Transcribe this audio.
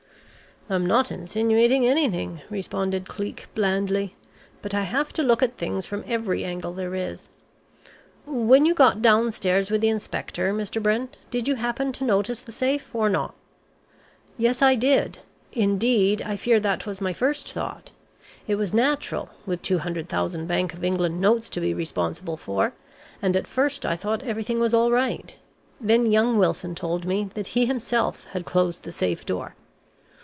"I'm not insinuating anything," responded Cleek blandly, "but I have to look at things from every angle there is. When you got downstairs with the inspector, Mr. Brent, did you happen to notice the safe or not?" "Yes, I did. Indeed, I fear that was my first thought it was natural, with £200,000 Bank of England notes to be responsible for and at first I thought everything was all right. Then young Wilson told me that he himself had closed the safe door....